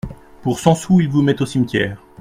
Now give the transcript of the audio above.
Pour cent sous il vous met au cimetière.